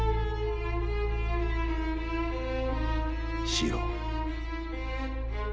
四郎。